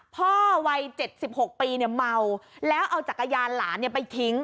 พ่อวัย๗๖ปีเมาแล้วเอาจักรยานหลานไปทิ้ง